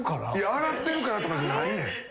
洗ってるからとかじゃない。